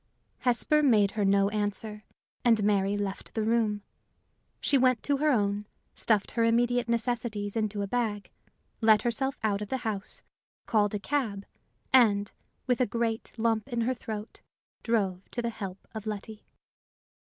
Hesper made her no answer, and Mary left the room. She went to her own, stuffed her immediate necessities into a bag, let herself out of the house, called a cab, and, with a great lump in her throat, drove to the help of Letty.